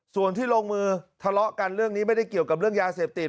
ส่วนที่ลงมือทะเลาะกันเรื่องนี้ไม่ได้เกี่ยวกับเรื่องยาเสพติด